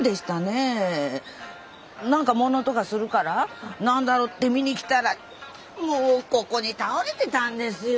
何か物音がするから何だろうって見に来たらもうここに倒れてたんですよ。